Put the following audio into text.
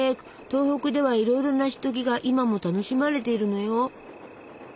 東北ではいろいろなシトギが今も楽しまれているのよ。